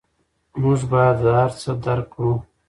موږ باید دا هر څه درک کړو.